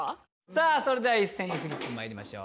さあそれでは一斉にフリップまいりましょう。